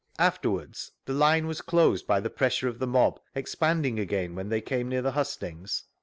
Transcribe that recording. Afterwards, the line was closed by the pressure of the mob, expanding again when they came near the hustings?